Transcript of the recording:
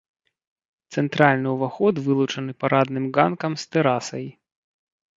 Цэнтральны ўваход вылучаны парадным ганкам з тэрасай.